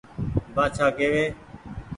بآڇآ ڪيوي